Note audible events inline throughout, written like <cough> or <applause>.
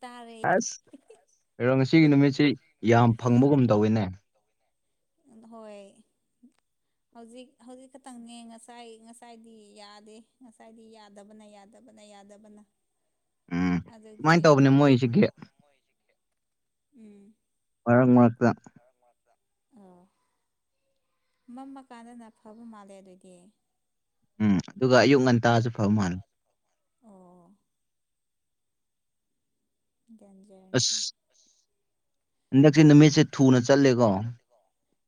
ꯇꯥꯔꯦ ꯑꯁ ꯀꯩꯔꯣ ꯉꯁꯤꯒꯤ ꯅꯨꯃꯤꯠꯁꯤ ꯌꯥꯝ ꯐꯪꯕꯒꯨꯝ ꯇꯧꯋꯤꯅꯦ ꯍꯣꯏ ꯍꯧꯖꯤꯛ ꯍꯧꯖꯤꯛ ꯈꯛꯇꯪꯅꯦ ꯉꯁꯥꯏ ꯉꯁꯥꯏꯗꯤ ꯌꯥꯗꯦ ꯉꯁꯥꯏꯗꯤ ꯌꯥꯗꯕꯅ ꯌꯥ ꯌꯥꯗꯕꯅ ꯌꯥꯗꯕꯅ ꯎꯝ ꯑꯗꯨꯒꯤ ꯁꯨꯃꯥꯏꯅ ꯇꯧꯕꯅꯦ ꯃꯣꯏꯁꯦ ꯒꯦꯞ ꯎꯝ ꯃꯔꯛ ꯃꯔꯛꯇ ꯃꯔꯛ ꯃꯔꯛꯇ ꯑꯣ ꯃꯝꯃꯀꯥꯟꯗꯅ ꯐꯕ ꯃꯥꯜꯂꯦ ꯑꯗꯨꯏꯗꯤ ꯎꯝ ꯑꯗꯨꯒ ꯑꯌꯨꯛ ꯉꯟꯇꯥꯁꯨ ꯐꯕ ꯃꯥꯜꯂꯦ ꯑꯣ ꯗꯦꯟꯖꯔꯅꯤꯍꯦ ꯑꯁ ꯍꯟꯗꯛꯁꯦ ꯅꯨꯃꯤꯠꯁꯦ ꯊꯨꯅ ꯆꯠꯂꯦꯀꯣ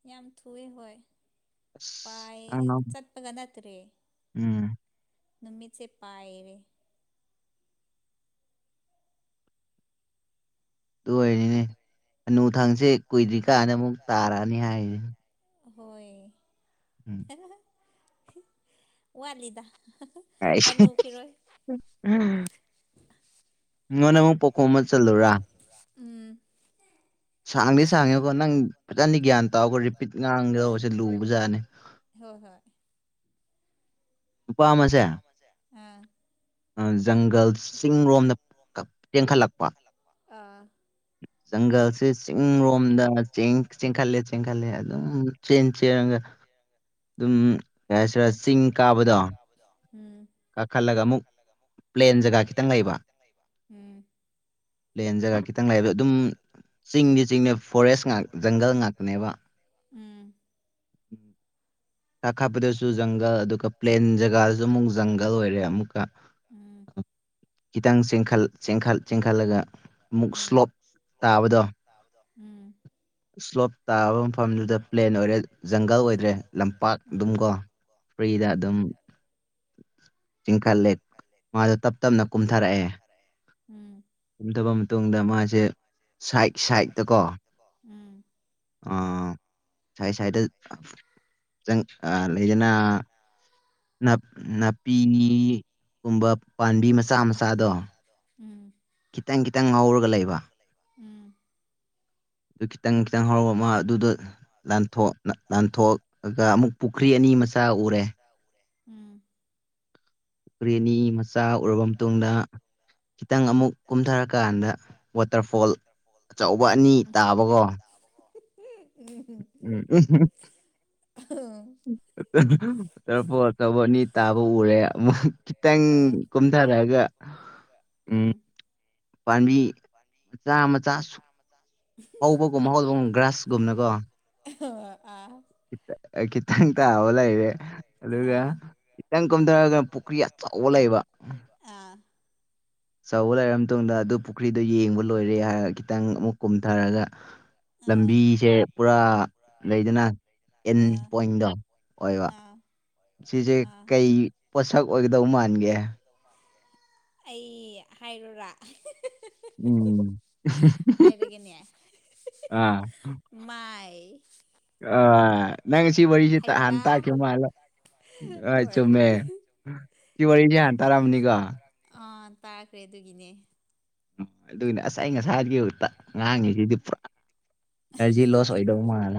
ꯌꯥꯝ ꯊꯨꯏꯌꯦ ꯍꯣꯏ ꯑꯁ ꯄꯥꯏ ꯏꯝ ꯈꯪꯉꯝ ꯆꯠꯄꯒ ꯅꯠꯇ꯭ꯔꯦ ꯎꯝ ꯅꯨꯃꯤꯁꯦ ꯄꯥꯏꯔꯦ ꯑꯗꯨ ꯑꯣꯏꯔꯗꯤꯅꯦ ꯍꯅꯨ ꯊꯪꯁꯦ ꯀꯨꯏꯗ꯭ꯔꯤꯀꯥꯟꯗ ꯑꯃꯨꯛ ꯇꯥꯔꯛꯑꯅꯤ ꯍꯥꯏꯔꯤꯅꯦ ꯍꯣꯏ ꯎꯝ ꯋꯥꯠꯂꯤꯗ ꯑꯩꯁ ꯍꯅꯨꯈꯤꯔꯣꯏ <unintelligible> ꯎꯝ ꯁꯥꯡꯗꯤ ꯁꯥꯡꯉꯦꯀꯣ ꯅꯪ ꯐꯖꯅ ꯒ꯭ꯌꯥꯟ ꯇꯥꯎꯀꯣ ꯔꯤꯄꯤꯠ ꯍꯣꯏ ꯉꯥꯡꯒꯗꯧꯕꯁꯦ ꯂꯨꯕ ꯖꯥꯠꯅꯤ ꯍꯣꯏ ꯍꯣꯏ ꯅꯨꯄꯥ ꯑꯃꯁꯦ ꯑꯥ ꯑꯥ ꯖꯪꯒꯜ ꯆꯤꯡꯔꯣꯝꯗ ꯇꯦꯟꯈꯠꯂꯛꯄ ꯑꯥ ꯖꯡꯒꯜꯁꯤ ꯆꯤꯡꯔꯣꯝꯗ ꯆꯦꯡ ꯆꯦꯟꯈꯠꯂꯦ ꯆꯦꯟꯈꯠꯂꯦ ꯑꯗꯨꯝ ꯆꯦꯟ ꯆꯦꯟꯔꯒ ꯗꯨꯝ <unintelligible> <unintelligible> ꯆꯤꯡ ꯀꯥꯕꯗꯣ ꯎꯝ ꯀꯥꯈꯠꯂꯒ ꯑꯃꯨꯛ ꯄ꯭ꯂꯦꯟ ꯖꯒꯥ ꯈꯤꯇꯪ ꯂꯩꯕ ꯎꯝ ꯄ꯭ꯂꯦꯟ ꯖꯒꯥ ꯈꯤꯇꯪ ꯂꯩꯕ ꯑꯗꯨꯝ ꯆꯤꯡꯗꯤ ꯆꯤꯡꯗ ꯐꯣꯔꯦꯁ ꯖꯪꯒꯜ ꯉꯥꯛꯇꯅꯦꯕ ꯎꯝ ꯀꯥꯈꯠꯄꯗꯁꯨ ꯖꯪꯒꯜ ꯑꯗꯨꯒ ꯄ꯭ꯂꯦꯟ ꯖꯒꯥꯗꯁꯨ ꯑꯃꯨꯛ ꯖꯪꯒꯜ ꯑꯣꯏꯔꯦ ꯑꯃꯨꯛꯀ ꯑꯃꯨꯛ ꯏꯁꯂꯣꯞ <unintelligible> ꯈꯤꯇꯪ ꯆꯦꯟꯈꯜ ꯆꯦꯟꯈꯜ ꯆꯦꯟꯈꯠꯂꯒ ꯑꯃꯨꯛ ꯁ꯭ꯂꯣꯞ ꯇꯥꯕꯗꯣ ꯇꯥꯕꯗꯣ ꯎꯝ ꯁꯂꯣꯞ ꯇꯥꯕ ꯃꯐꯝꯗꯨꯗ ꯄ꯭ꯂꯦꯟ ꯑꯣꯏꯔꯦ ꯖꯪꯒꯜ ꯑꯣꯏꯗ꯭ꯔꯦ ꯂꯝꯄꯥꯛ ꯑꯗꯨꯝ ꯀꯣ ꯑꯅꯤ ꯇꯥꯕꯀꯣ ꯍꯧꯕꯒꯨꯝꯕ ꯐ꯭ꯔꯤꯗ ꯍꯧꯗꯕꯒꯨꯝ ꯑꯗꯨꯝ ꯆꯤꯡꯈꯠꯂꯦ ꯈꯠꯂꯦ ꯃꯥꯗꯣ ꯃꯥꯁꯨ ꯇꯞꯅ ꯇꯞ ꯇꯝꯅ ꯀꯨꯝꯊꯔꯛ ꯑꯦ ꯗꯨꯕ ꯃꯇꯨꯡꯗ ꯃꯥꯁꯦ ꯁꯥꯏꯠ ꯁꯥꯏꯠꯇꯀꯣ ꯑꯥ ꯁꯥꯏ ꯁꯥꯏꯗ ꯖꯡ ꯑ ꯂꯩꯗꯅ ꯅꯥꯞ ꯅꯥꯄꯤꯅꯤ ꯒꯨꯝꯕ ꯎ ꯄꯥꯝꯕꯤ ꯃꯆꯥ ꯃꯆꯥꯗꯣ ꯎꯝ ꯈꯤꯇꯪ ꯈꯤꯇꯪ ꯉꯧꯔꯒ ꯂꯩꯕ ꯎꯝ ꯑꯗꯨ ꯈꯤꯇꯪ ꯈꯤꯇꯪ ꯍꯔꯛꯑ ꯃꯥ ꯗꯨꯗ ꯂꯥꯟꯊꯣꯛ ꯂꯥꯟꯊꯣꯛꯑꯒ ꯑꯃꯨꯛ ꯄꯨꯈ꯭ꯔꯤ ꯑꯅꯤ ꯃꯆꯥ ꯎꯔꯦ ꯎꯝ ꯀꯄꯨꯈꯔꯤ ꯑꯅꯤ ꯃꯆꯥ ꯎꯔꯕ ꯃꯇꯨꯡꯗ ꯈꯤꯇꯪ ꯑꯃꯨꯛ ꯀꯨꯝꯊꯔꯀꯥꯟꯗ ꯋꯥꯇꯔꯐꯣꯜ ꯑꯆꯧꯕ ꯑꯅꯤ ꯇꯥꯕꯀꯣ ꯎꯝ <unintelligible> <unintelligible> ꯑꯅꯤ ꯇꯥꯕ ꯎꯔꯦ ꯑꯃꯨꯛ ꯈꯤꯇꯪ ꯀꯨꯝ ꯊꯔꯛꯑꯒ ꯎꯝ ꯄꯥꯝꯕꯤ ꯄꯥꯟꯕꯤ꯫ ꯆꯥꯃ ꯆꯥ ꯆꯥꯃ ꯆꯥ꯫ ꯍꯧꯕꯒꯨꯝꯕ ꯍꯧꯒ ꯒ꯭ꯔꯥꯁꯒꯨꯝꯅꯀꯣ꯫ <unintelligible> ꯀꯤꯠꯇ ꯈꯤꯠꯇꯪ ꯇꯕ ꯔꯩꯔꯦ ꯑꯗꯨꯒ, ꯈꯤꯇꯪ ꯀꯝꯊꯔꯒꯅ ꯄꯨꯈ꯭ꯔꯤ ꯑꯆꯧꯕ ꯂꯩꯕ꯫ ꯑꯥ ꯆꯧꯕ ꯂꯩꯔ ꯃꯇꯨꯡꯗ ꯑꯗꯨ ꯄꯨꯈ꯭ꯔꯤꯗꯣ ꯌꯦꯡꯕ ꯂꯣꯏꯔꯦ ꯍꯥꯏꯔ ꯈꯤꯇꯪ ꯑꯃꯨꯛ ꯀꯨꯝꯊꯔꯒ, ꯂꯝꯕꯤꯁꯦ ꯄꯨꯔꯥ ꯂꯩꯗꯅ꯫ ꯑꯦꯟ ꯄꯣꯏꯟꯗꯣ ꯑꯣꯏꯕ ꯁꯤꯁꯦ ꯀꯩ ꯄꯣꯠꯁꯛ ꯑꯣꯏꯒꯗꯧ ꯃꯥꯟꯒꯦ? ꯑꯩ ꯍꯥꯏꯔꯣꯔꯥ? ꯎꯝ <unintelligible> ꯑꯥ꯫ ꯃꯥꯏ꯫ ꯑꯥ꯫ ꯅꯪꯁꯤ ꯋꯥꯔꯤꯁꯦ ꯍꯥꯟꯅ ꯍꯩꯕ꯭ꯔꯥ ꯇꯈꯤꯕ ꯃꯥꯜ ꯍꯣꯏ ꯆꯨꯝꯃꯦ꯫ ꯁꯤ ꯋꯥꯔꯤꯁꯦ ꯍꯥꯟ ꯇꯔꯝꯅꯤꯀꯣ꯫ ꯑꯥ ꯇꯥꯈ꯭ꯔꯦ ꯑꯗꯨꯒꯤꯅꯦ꯫ ꯎꯝ ꯑꯗꯨꯅꯦ ꯑꯁ ꯑꯩ ꯉꯁꯥꯏꯗꯒꯤ ꯉꯥꯡꯉꯤꯁꯤꯗꯤ ꯄꯨꯔꯥ ꯑꯦꯅꯔꯖꯤ ꯂꯣꯁ ꯑꯣꯏꯗꯧꯕ ꯃꯥꯜ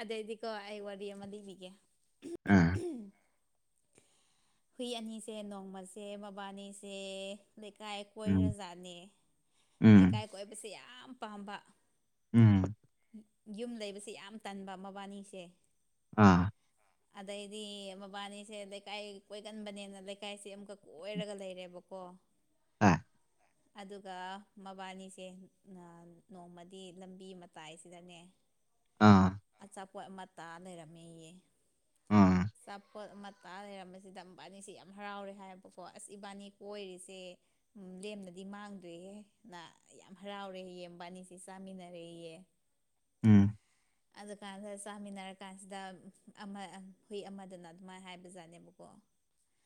ꯑꯗꯩꯗꯤꯀꯣ ꯑꯩ ꯋꯥꯔꯤ ꯑꯃ ꯂꯤꯕꯤꯒꯦ꯫ ꯑꯝ꯫ ꯍꯨꯏ ꯑꯅꯤꯁꯦ ꯅꯣꯡꯃꯁꯦ ꯃꯕꯥꯅꯤꯁꯦ ꯂꯩꯀꯥꯏ ꯎꯝ ꯀꯣꯏꯔꯖꯥꯠꯅꯦ꯫ ꯂꯩꯀꯥꯏ ꯎꯝ ꯀꯣꯏꯕꯁꯦ ꯌꯥꯝ ꯄꯥꯝꯕ꯫ ꯎꯝ꯫ ꯌꯨꯝ ꯂꯩꯕꯁꯦ ꯌꯥꯝ ꯇꯟꯕ ꯃꯕꯥꯅꯤꯁꯦ꯫ ꯑꯥ꯫ ꯑꯗꯩꯗꯤ ꯃꯕꯥꯅꯤꯁꯦ ꯂꯩꯀꯥꯏ ꯀꯣꯏꯒꯟꯕꯅꯦꯅ ꯂꯩꯀꯥꯏꯁꯦ ꯑꯃꯨꯛꯀ ꯀꯣꯏꯔꯒ ꯂꯩꯔꯦꯕꯀꯣ꯫ ꯑꯥ꯫ ꯑꯗꯨꯒ ꯃꯕꯥꯅꯤꯁꯦ ꯅꯣꯡꯃꯗꯤ ꯂꯝꯕꯤ ꯃꯠ ꯇꯥꯏꯁꯤꯗꯅꯦ ꯑꯥ ꯑꯆꯥꯄꯣꯠ ꯑꯃ ꯇꯥ ꯂꯩꯔꯝꯃꯦꯌꯦ꯫ ꯑꯥ꯫ ꯑꯆꯥꯄꯣꯠ ꯑꯃ ꯇꯥ ꯂꯩꯔꯝꯕꯁꯤꯗ ꯃꯕꯥꯟꯅꯤꯁꯦ ꯌꯥꯝ ꯍꯔꯥꯎꯔꯦ ꯍꯥꯏꯌꯦꯕꯀꯣ ꯑꯁ ꯏꯕꯥꯅꯤ ꯀꯣꯏꯔꯤꯁꯦ, ꯂꯦꯝꯅꯗꯤ ꯃꯥꯡꯗ꯭ꯔꯦꯍꯦ ꯅ ꯌꯥꯝ ꯍꯔꯥꯎꯔꯦꯌꯦ ꯌꯦꯟꯕꯥꯅꯤꯁꯤ ꯆꯥꯃꯤꯟꯅꯔꯦꯌꯦ꯫ ꯎꯝ꯫ ꯑꯗꯨꯀꯥꯟꯗ ꯆꯥꯃꯤꯟꯅꯔ ꯀꯥꯟꯁꯤꯗ ꯑꯃ ꯍꯨꯏ ꯑꯃꯗꯅ ꯑꯗꯨꯃꯥꯏꯅ ꯍꯥꯏꯕ ꯖꯥꯠꯅꯦꯕꯀꯣ꯫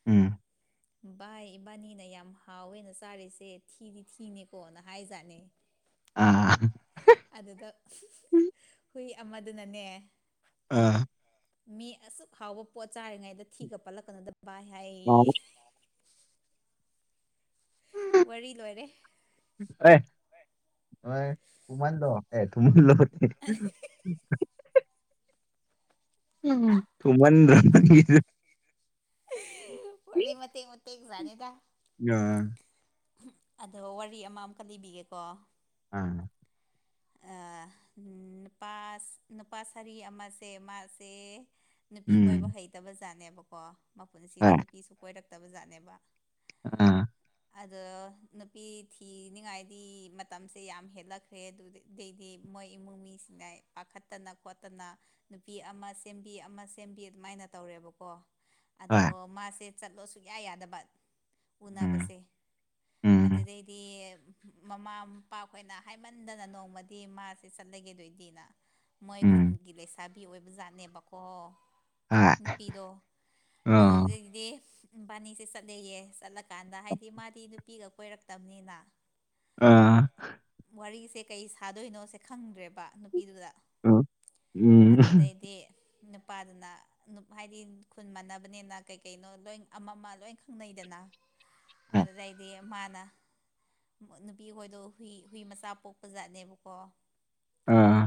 ꯎꯝ ꯚꯥꯏ ꯏꯕꯥꯅꯤꯅ ꯌꯥꯝ ꯍꯥꯎꯋꯦꯅ ꯆꯥꯔꯤꯁꯦ ꯊꯤꯗꯤ ꯊꯤꯅꯦꯀꯣꯅ ꯍꯥꯏꯖꯥꯠꯅꯦ꯫ ꯑꯥ ꯑꯗꯨꯗ ꯍꯨꯏ ꯑꯃꯗꯨꯅꯅꯦ, ꯑꯥ꯫ ꯃꯤ ꯑꯁꯨꯛ ꯍꯥꯎꯕ ꯄꯣꯠ ꯆꯥꯔꯤꯉꯩꯗ ꯊꯤꯒ ꯄꯠꯂꯛꯀꯅꯗꯕ ꯚꯥꯏ ꯍꯥꯏꯌꯦꯌꯦ꯫ ꯋꯥꯔꯤ ꯂꯣꯏꯔꯦ꯫ ꯑꯦ ꯑꯣꯏ ꯎꯨꯃꯥꯟꯂꯣ ꯑꯦ ꯊꯨꯝꯃꯟꯂꯣ <unintelligible> ꯎꯝ ꯊꯨꯃꯟꯗ꯭ꯔꯣ ꯅꯪꯒꯤꯗꯨ <unintelligible> ꯋꯥꯔꯤ ꯃꯇꯦꯛ ꯃꯇꯦꯛ ꯁꯥꯅꯩꯗ <unintelligible> ꯑꯗꯣ ꯋꯥꯔꯤ ꯑꯃ ꯃꯨꯛꯀ ꯂꯤꯕꯤꯒꯦꯀꯣ ꯎꯝ ꯑꯥ ꯅꯨꯄꯥ ꯅꯨꯄꯥ ꯁꯥꯔꯤ ꯑꯃꯁꯦ ꯃꯥꯁꯦ ꯅꯨꯄꯤ ꯀꯣꯏꯕ ꯎꯝ ꯍꯩꯇꯕꯖꯥꯠꯅꯦꯕꯀꯣ ꯃꯄꯨꯟꯁꯤꯗ ꯍꯣꯏ ꯅꯨꯄꯤꯁꯨ ꯀꯣꯏꯔꯛꯇꯕꯖꯥꯠꯅꯦꯕ ꯑꯥ ꯑꯗꯣ ꯅꯨꯄꯤ ꯊꯤꯅꯤꯡꯉꯥꯏꯗꯤ ꯃꯇꯝꯁꯦ ꯌꯥꯝ ꯍꯦꯜꯂꯛꯈ꯭ꯔꯦ ꯑꯗꯨꯗꯤ ꯗꯩꯗꯤ ꯃꯣꯏ ꯏꯃꯨꯡ ꯃꯤꯁꯤꯡꯅ ꯄꯥꯈꯠꯇꯅ ꯈꯣꯠꯇꯅ ꯅꯨꯄꯤ ꯑꯃ ꯁꯦꯝꯕꯤ ꯑꯃ ꯁꯦꯝꯕꯤ ꯑꯗꯨꯃꯥꯏꯅ ꯇꯧꯔꯦꯕꯀꯣ ꯑꯗꯣ ꯍꯣꯏ ꯃꯥꯁꯦ ꯆꯠꯂꯣ ꯁꯨꯛꯌꯥ ꯌꯥꯗꯕ ꯎꯅꯕꯁꯦ ꯎꯝ ꯎꯝ ꯑꯗꯨꯗꯩꯗꯤ ꯑꯦ ꯃꯃꯥ ꯃꯄꯥꯈꯣꯏꯅ ꯍꯥꯏꯃꯟꯗꯅ ꯅꯣꯡꯃꯗꯤ ꯃꯥꯁꯦ ꯆꯠꯂꯒꯦ ꯗꯣꯏꯗꯤꯅ ꯃꯣꯏ ꯎꯝ ꯈꯨꯟꯒꯤ ꯂꯩꯁꯥꯕꯤ ꯑꯣꯏꯕ ꯖꯥꯠꯅꯦꯕꯀꯣ ꯑꯥ ꯅꯨꯄꯤꯗꯣ ꯑꯗꯨꯗꯩꯗꯤ ꯏꯕꯥꯅꯤꯁꯦ ꯆꯠꯂꯦꯌꯦ ꯆꯠꯂꯀꯥꯟꯗ ꯍꯥꯏꯗ ꯗꯤ ꯃꯥꯗꯤ ꯅꯨ ꯄꯤꯒ ꯀꯣꯏꯔꯛꯇꯕꯅꯤꯅ ꯑꯥ ꯋꯥꯔꯤꯁꯦ ꯀꯩ ꯁꯥꯗꯣꯏꯅꯣꯁꯦ ꯈꯪꯗ꯭ꯔꯦꯕ ꯅꯨꯄꯤꯗꯨꯗ ꯑ ꯎꯝ <unintelligible> ꯗꯦ ꯅꯨꯄꯥꯗꯨꯅ ꯅꯨꯞ ꯍꯥꯏꯗꯤ ꯈꯨꯟ ꯃꯥꯟꯅꯕꯅꯤꯅ ꯀꯩ ꯀꯩꯅꯣ ꯂꯣꯏ ꯑꯃꯃ ꯂꯣꯏ ꯈꯪꯅꯩꯗꯅ ꯑꯗꯨꯗꯩꯗꯤ ꯃꯥꯅ ꯅꯨꯄꯤ ꯍꯣꯏꯗꯣ ꯍꯨꯏ ꯍꯨꯏ ꯃꯆꯥ ꯄꯣꯛꯄ ꯖꯥꯠꯅꯦꯕꯀꯣ ꯑꯥ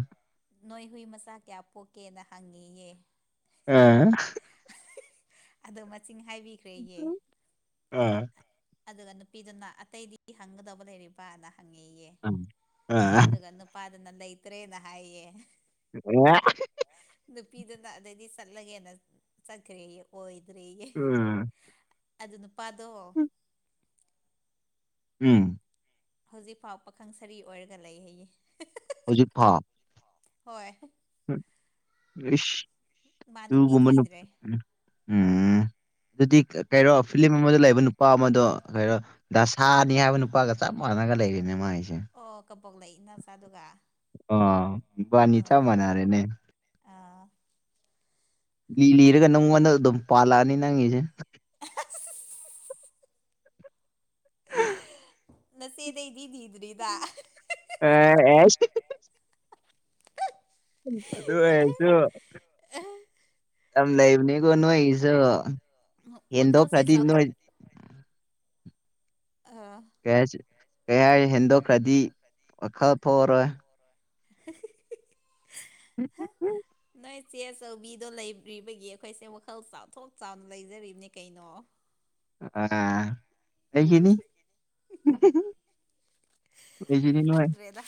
ꯅꯣꯏ ꯍꯨꯏ ꯃꯆꯥ ꯀꯌꯥ ꯄꯣꯛꯀꯦꯅ ꯍꯪꯉꯦꯌꯦ ꯑ <unintelligible> <unintelligible> ꯑꯗꯣ ꯃꯁꯤꯡ ꯍꯥꯏꯕꯤꯈ꯭ꯔꯦꯌꯦ ꯑꯗꯨꯒ ꯅꯨꯄꯤꯗꯨꯅ ꯑꯇꯩꯗꯤ ꯍꯪꯒꯗꯕ ꯂꯩꯔꯤꯕꯅ ꯍꯪꯉꯦꯌꯦ ꯑꯗꯨꯒ ꯅꯨ ꯄꯥ ꯗꯨꯅ ꯂꯩꯇ꯭ꯔꯦ ꯅ ꯍꯥꯏꯌꯦꯌꯦ <unintelligible> ꯅꯨꯄꯤꯗꯨꯅ ꯑꯗꯩꯗꯤ ꯆꯠꯂꯒꯦꯅ ꯆꯠꯈ꯭ꯔꯦꯌꯦ ꯑꯣꯏꯗ꯭ꯔꯦꯌꯦ ꯑꯗꯨ ꯅꯨꯄꯥꯗꯣ ꯎꯝ ꯍꯧꯖꯤꯛꯐꯥꯎ ꯄꯥꯈꯪ ꯁꯔꯤ ꯑꯣꯏꯔꯒ ꯂꯩ ꯍꯥꯏꯌꯦ ꯍꯧꯖꯤꯛ ꯐꯥꯎ ꯍꯣꯏ ꯍꯝ ꯏꯁ ꯃꯥ ꯅꯨꯄꯤ ꯗꯨꯒꯨꯝꯕ ꯅꯨꯞ ꯊꯤꯗ꯭ꯔꯦ ꯎꯝ ꯑꯗꯨꯗꯤ ꯎꯝ ꯀꯩꯔꯣ ꯐꯤꯂꯤꯝ ꯑꯃꯗ ꯂꯩꯕ ꯅꯨꯄꯥ ꯑꯃꯗꯣ ꯀꯩꯔꯣ ꯗꯁꯥꯅꯤ ꯍꯥꯏꯕ ꯅꯨꯄꯥꯒ ꯆꯞ ꯃꯥꯟꯅꯔꯒ ꯂꯩꯔꯦꯅꯦ ꯃꯥꯏꯖꯦ ꯑꯣ ꯀꯕꯣꯛꯂꯩ ꯏꯅꯥꯎꯆꯥꯗꯨꯒ ꯑꯥ ꯏꯕꯥꯟꯅꯤ ꯆꯞ ꯑꯣ ꯃꯥꯟꯅꯥꯔꯦꯅꯦ ꯑꯥ ꯂꯤ ꯂꯤꯔꯒ ꯅꯪꯉꯣꯟꯗ ꯑꯗꯨꯝ ꯄꯥꯜꯂꯛꯑꯅꯤ ꯅꯪꯒꯤꯁꯦ ꯑꯁ ꯅꯆꯦꯗꯩꯗꯤ ꯂꯤꯗ꯭ꯔꯤꯗ ꯑꯦ ꯑꯦꯁ ꯑꯗꯨ ꯑꯣꯢꯔꯁꯨ ꯌꯥꯝ ꯂꯩꯕꯅꯦꯀꯣ ꯅꯣꯏꯒꯤꯁꯨ ꯍꯦꯟꯗꯣꯛ ꯋꯥꯈꯜꯁꯦ ꯈ꯭ꯔꯗꯤ ꯆꯥꯎꯊꯣꯛ ꯅꯣꯏ ꯑꯥ ꯀꯩ ꯍꯥꯏ ꯀꯩ ꯍꯥꯢꯁꯤ ꯍꯦꯟꯗꯣꯛꯈ꯭ꯔꯗꯤ ꯋꯥꯈꯜ ꯊꯣꯛꯑꯔꯣꯏ <unintelligible> ꯎꯝ ꯎꯝ ꯎꯝ ꯅꯣꯏ ꯆꯦ ꯑꯆꯧꯕꯤꯗꯣ ꯂꯩꯔꯤꯕꯒꯤ ꯑꯩꯈꯣꯏꯁꯦ ꯋꯥꯈꯜ ꯆꯥꯎꯊꯣꯛ ꯆꯥꯎꯅ ꯂꯩꯖꯔꯤꯕꯅꯦ ꯀꯩꯅꯣ ꯑꯥ ꯑꯩꯒꯤꯅꯤ ꯑꯩꯒꯤꯅꯤ ꯅꯣꯏ ꯈꯪꯗ꯭ꯔꯦꯗ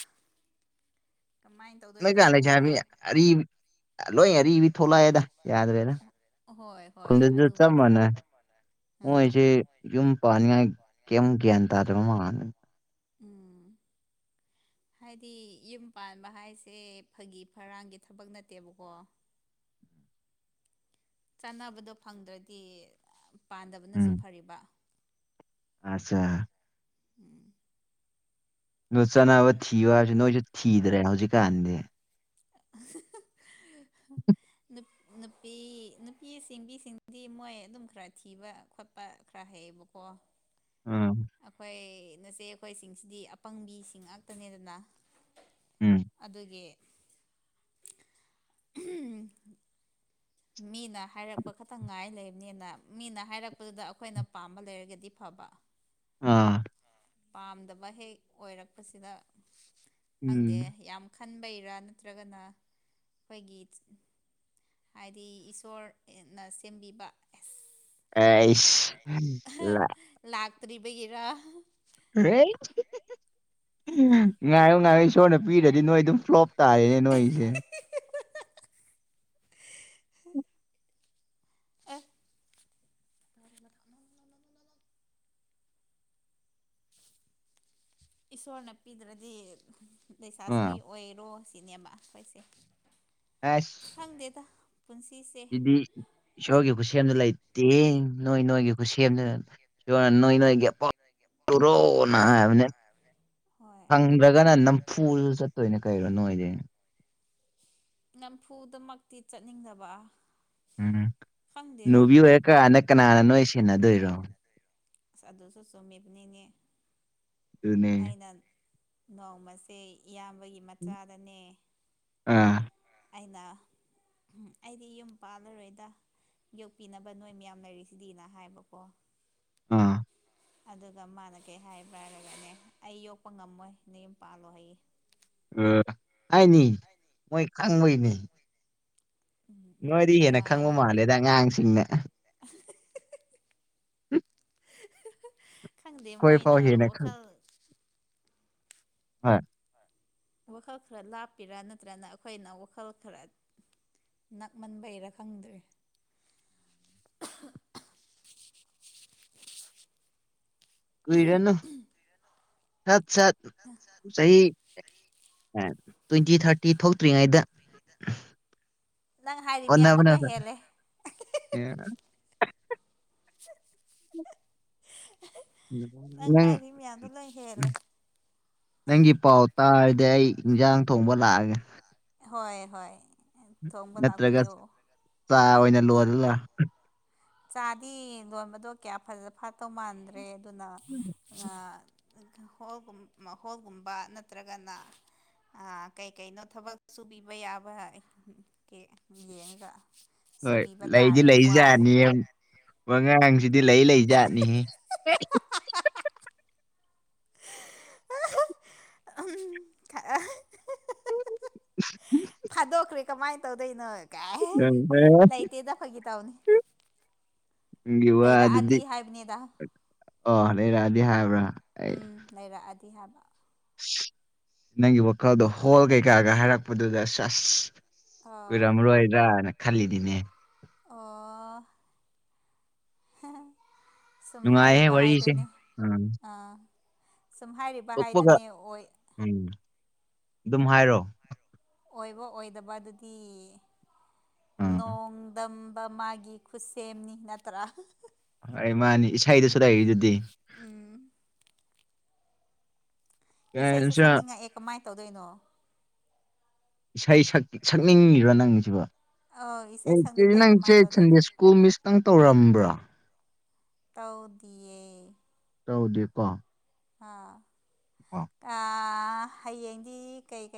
ꯀꯃꯥꯏ ꯃꯩꯀꯥ ꯂꯩꯁꯥꯕꯤ ꯑꯔꯤ ꯂꯣꯏ ꯑꯔꯤꯕꯤ ꯊꯣꯛꯂꯛꯑꯦꯗ ꯌꯥꯗ꯭ꯔꯦꯗ ꯍꯣꯏ ꯍꯣꯏ ꯈꯨꯜꯗꯁꯨ ꯆꯞ ꯑꯗꯨꯕꯨꯗꯤ ꯃꯥꯟꯅꯩ ꯎꯝ ꯃꯣꯏꯁꯦ ꯌꯨꯝ ꯄꯥꯅꯤꯡꯉꯥꯏ ꯀꯩꯝ ꯒ꯭ꯌꯥꯟ ꯇꯥꯗꯔꯕ ꯃꯥꯜꯂꯦ ꯎꯝ <inaudible> ꯍꯥꯏꯗꯤ ꯌꯨꯝ ꯄꯥꯟꯕ ꯍꯥꯏꯁꯦ ꯐꯥꯒꯤ ꯐꯔꯥꯡꯒꯤ ꯊꯕꯛ ꯅꯠꯇꯦꯕꯀꯣ ꯆꯥꯅꯕꯗꯣ ꯐꯪꯗ꯭ꯔꯗꯤ ꯄꯥꯟꯗꯕꯅꯁꯨ ꯐꯔꯤꯕ ꯑꯆꯥ ꯎꯝ ꯑꯗꯣ ꯆꯅꯕ ꯊꯤꯌꯨ ꯍꯥꯏꯔꯁꯨ ꯅꯣꯏꯁꯨ ꯊꯤꯗ꯭ꯔꯦ ꯍꯧꯖꯤꯛ ꯀꯥꯟꯗꯤ <unintelligible> ꯅꯨꯄꯤ ꯅꯨꯄꯤ ꯁꯤꯡꯕꯤꯁꯤꯡꯗꯤ ꯃꯣꯏ ꯑꯗꯨꯝ ꯈꯔ ꯊꯤꯕ ꯈꯣꯠꯄ ꯈꯔ ꯍꯩꯌꯦꯕꯀꯣ ꯑꯥ ꯑꯩꯈꯣꯏ ꯅꯆꯦ ꯑꯩꯈꯣꯏꯁꯤꯡꯁꯤꯗꯤ ꯑꯄꯪꯕꯤꯁꯤꯡ ꯉꯥꯛꯇꯅꯦꯗꯅ ꯎꯝ ꯑꯗꯨꯒꯤ ꯎꯝ ꯃꯤꯅ ꯍꯥꯏꯔꯛꯄ ꯈꯛꯇꯪ ꯉꯥꯏ ꯂꯩꯕꯅꯤꯅ ꯃꯤꯅ ꯍꯥꯏꯔꯛꯄꯗꯨꯗ ꯑꯩꯈꯣꯏꯅ ꯄꯥꯝꯕ ꯂꯩꯔꯒꯗꯤ ꯐꯕ ꯑꯥ ꯄꯥꯝꯗꯕ ꯍꯦꯛ ꯑꯣꯏꯔꯛꯄꯁꯤꯗ ꯈꯪꯗꯦ ꯎꯝ ꯌꯥꯝ ꯈꯟꯕꯩꯔꯥ ꯅꯠꯇ꯭ꯔꯒꯅ ꯑꯩꯈꯣꯏꯒꯤ ꯍꯥꯏꯗꯤ ꯏꯁꯣꯔꯅ ꯁꯦꯝꯕꯤꯕ ꯑꯦꯁ ꯑꯩꯁ ꯂꯛ ꯂꯥꯛꯇ꯭ꯔꯤꯕꯒꯤꯔ <unintelligible> ꯉꯥꯏꯌꯣ ꯉꯥꯏꯌꯣ ꯏꯁꯣꯔꯅ ꯄꯤꯗꯔꯥꯗꯤ ꯅꯣꯏ ꯑꯗꯨꯝ ꯐ꯭ꯂꯣꯞ ꯇꯥꯔꯦ ꯅꯣꯏꯁꯦ ꯑꯦ <unintelligible> ꯏꯁꯣꯔꯅ ꯄꯤꯗ꯭ꯔꯥꯗꯤ ꯂꯩꯁꯥꯥ ꯑꯥ ꯁꯥꯔꯤ ꯑꯣꯏꯔꯣ ꯁꯤꯅꯦꯕ ꯑꯩꯈꯣꯏꯁꯦ ꯑꯦꯁ ꯈꯪꯗꯦꯗ ꯄꯨꯟꯁꯤꯁꯦ ꯁꯤꯗꯤ ꯏꯁꯣꯔꯒꯤ ꯈꯨꯠꯁꯦꯝꯗ ꯂꯩꯇꯦ ꯅꯣꯏ ꯅꯣꯏꯒꯤ ꯈꯨꯁꯝꯗꯨꯅ ꯅꯣꯏ ꯅꯣꯏꯒꯤ ꯑꯄꯥꯝꯕ ꯇꯧꯔꯣꯅ ꯍꯥꯏꯕꯅꯦ ꯌꯥꯕꯅꯦ ꯐꯪꯗ꯭ꯔꯒꯅ ꯅꯝꯐꯨꯗ ꯆꯠꯇꯣꯏꯅꯦ ꯀꯩꯅꯣ ꯅꯣꯏꯗꯤ ꯅꯝꯐꯨꯗꯃꯛꯇꯤ ꯆꯠꯅꯤꯡꯗꯕ ꯎꯝ ꯈꯪꯗꯦꯗ ꯍꯅꯨꯕꯤ ꯑꯣꯏꯔ ꯀꯥꯟꯗ ꯀꯅꯥꯅ ꯅꯣꯏ ꯁꯦꯟꯅꯗꯣꯏꯔꯣ ꯑꯁ ꯑꯗꯨꯁꯨ ꯆꯨꯝꯃꯤꯕꯅꯤꯅꯦ ꯑꯗꯨꯅꯦ ꯑꯩꯅ ꯅꯣꯡꯃꯁꯦ ꯏꯌꯥꯝꯕꯒꯤ ꯃꯆꯥꯗꯅꯦ ꯑꯥ ꯑꯩꯅ ꯑꯩꯗꯤ ꯌꯨꯝ ꯄꯥꯜꯂꯔꯣꯏꯗ ꯌꯣꯛꯄꯤꯅꯕ ꯅꯣꯏ ꯃꯌꯥꯝ ꯂꯩꯔꯤꯁꯤꯗꯤꯅ ꯍꯥꯏꯕꯀꯣ ꯑꯥ ꯑꯗꯨꯒ ꯃꯥꯅ ꯀꯩ ꯍꯥꯏꯕ꯭ꯔꯥ ꯍꯥꯏꯔꯒꯅꯦ ꯑꯩ ꯌꯣꯛꯄ ꯉꯝꯃꯣꯏ ꯅꯌꯨꯝ ꯄꯥꯜꯂꯣ ꯍꯥꯏꯌꯦ ꯎꯝ ꯍꯥꯏꯅꯤ ꯃꯣꯏ ꯈꯪꯕꯩꯅꯦ ꯎꯝ ꯅꯣꯏꯗꯒꯤ ꯍꯦꯟꯅ ꯕꯦꯔꯥꯅꯤ ꯈꯪꯕ ꯃꯥꯜꯂꯦꯗ ꯑꯉꯥꯡꯁꯤꯡꯅ <inaudible> ꯎꯝ <inaudible> ꯈꯪꯗꯦ ꯃꯣꯏꯅ ꯍꯦꯟꯅ ꯈꯪ ꯋꯥꯈꯜ ꯍꯣꯏ ꯋꯥꯈꯜ ꯈꯔ ꯂꯥꯞꯄꯤꯔꯥ ꯅꯠꯇ꯭ꯔꯒꯅ ꯑꯩꯈꯣꯏꯅ ꯋꯥꯈꯜ ꯈꯔ ꯅꯛꯃꯟꯕꯩꯔꯥ ꯈꯪꯗ꯭ꯔꯦ ꯀꯨꯏꯔꯅꯨ ꯁꯠ ꯁꯠ ꯁꯠ ꯁꯠ ꯆꯍꯤ ꯇ꯭ꯋꯦꯟꯇꯤ ꯊꯔꯇꯤ ꯊꯣꯛꯇ꯭ꯔꯤꯉꯩꯗ ꯅꯪ ꯍꯥꯏꯔꯤ ꯃꯌꯥꯝꯗꯣ ꯂꯣꯏ ꯑꯣꯟꯅꯕꯅꯦꯕ ꯍꯦꯜꯂꯦ ꯑꯦ ꯅꯪ ꯍꯥꯏꯔꯤ ꯃꯌꯥꯝꯗꯣ ꯂꯣꯏ ꯍꯦꯜꯂꯦ ꯅꯪꯒꯤ ꯄꯥꯎ ꯇꯥꯔꯗꯤ ꯑꯩ ꯏꯟꯁꯥꯡ ꯊꯣꯡꯕ ꯂꯥꯛꯑꯒꯦ ꯍꯣꯏ ꯍꯣꯏ ꯊꯣꯡꯕ ꯅꯠꯇ꯭ꯔꯒ ꯂꯥꯛꯄꯤꯌꯣ ꯆꯥ ꯑꯣꯏꯅ ꯂꯣꯟꯂꯨꯔꯥ ꯆꯥꯗꯤ ꯂꯣꯟꯕꯗꯣ ꯀꯌꯥ ꯐꯖ ꯐꯠꯇꯧ ꯃꯥꯟꯗ꯭ꯔꯦ ꯑꯗꯨꯅ ꯑꯥ ꯍꯣꯜꯒꯨꯝ ꯍꯣꯜꯒꯨꯝꯕ ꯅꯠꯇ꯭ꯔꯒꯅ ꯑꯥ ꯀꯩꯀꯩꯅꯣ ꯊꯕꯛ ꯁꯨꯕꯤꯕ ꯌꯥꯕ ꯀꯦ ꯌꯦꯡꯉꯒ ꯍꯣꯏ ꯁꯨꯕꯤꯕ ꯂꯩꯗꯤ ꯇꯥꯔꯦ ꯂꯩ ꯋꯥꯔꯁꯨ ꯖꯥꯠꯅꯤꯍꯦ ꯋꯥꯉꯥꯡꯁꯤꯗꯤ ꯂꯩ ꯂꯩ ꯖꯥꯠꯅꯤꯍꯦ <inaudible> ꯊꯥꯗꯣꯛꯈ꯭ꯔꯦ ꯀꯃꯥꯏꯅ ꯇꯧꯗꯣꯏꯅꯣ ꯀꯥꯏ ꯎꯝ, ꯂꯥꯏꯇꯦꯗ ꯐꯒꯤ ꯇꯧꯕꯅꯤ ꯃꯤꯋꯥꯗꯨꯗꯤ ꯍꯥꯏꯕꯅꯤꯗ ꯑꯣ ꯂꯩꯔꯛꯑꯗꯤ ꯍꯥꯏꯕ꯭ꯔꯥ ꯑꯩ ꯎꯝ ꯂꯩꯔꯛꯑꯗꯤ ꯍꯥꯏꯕ ꯅꯪꯒꯤ ꯋꯥꯈꯜꯗꯣ ꯍꯣꯜ ꯀꯩꯀꯥꯒ ꯍꯥꯏꯔꯛꯄꯗꯨꯗ ꯑꯁ ꯑ ꯀꯨꯏꯔꯝꯔꯣꯏꯗ꯭ꯔꯥꯅ ꯈꯜꯂꯤꯅꯤꯅꯦ ꯑꯣ ꯁꯨꯝ ꯅꯨꯡꯉꯥꯏꯍꯦ ꯍꯥꯏꯔꯤꯕ ꯋꯥꯔꯤꯁꯦ ꯍꯥꯏꯗꯨꯅꯦ ꯎꯝ ꯑꯥ ꯁꯨꯝ ꯍꯥꯏꯔꯤꯕ ꯇꯣꯛꯄꯒ ꯍꯥꯏꯗꯨꯅꯦ ꯑꯣꯏ ꯎꯝ ꯑꯗꯨꯝ ꯍꯥꯏꯔꯣ ꯑꯣꯏꯕ ꯑꯣꯏꯗꯕ ꯑꯗꯨꯗꯤ ꯎꯝ ꯅꯣꯡꯗꯝꯕ ꯃꯥꯒꯤ ꯈꯨꯠꯁꯦꯝꯅꯤ ꯅꯠꯇ꯭ꯔꯥ ꯑꯩ ꯃꯥꯅꯤ ꯏꯁꯩꯗꯁꯨ ꯂꯩꯔꯤꯗꯨꯗꯤ ꯎꯝ ꯏꯁꯩꯁꯨ ꯀꯩꯅꯣ ꯁꯛꯅꯤꯡꯉꯛꯑꯦ ꯀꯃꯥꯏꯅ ꯇꯧꯗꯣꯏꯅꯣ ꯏꯁꯩ ꯁꯛꯅꯤꯡꯉꯤꯔꯣ ꯅꯪꯁꯤꯕꫭ ꯑꯧ ꯑꯦ ꯏꯁꯩ ꯏꯆꯦ ꯁꯛꯅꯤꯡꯉꯦ ꯅꯪ ꯏꯆꯦ ꯀꯃꯥꯏꯅ ꯇꯧꯗꯣꯏꯅꯣ ꯁꯟꯗꯦꯁꯀꯨ ꯃꯤꯁ ꯈꯤꯇꯪ ꯇꯧꯔꯝꯕ꯭ꯔꯥ ꯇꯧꯗꯤꯌꯦ ꯇꯧꯗꯦꯀꯣ ꯍꯥ ꯑꯣ ꯑꯥ ꯍꯌꯦꯡꯗꯤ ꯀꯩ ꯀꯩ